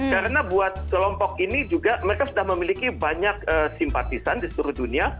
karena buat kelompok ini juga mereka sudah memiliki banyak simpatisan di seluruh dunia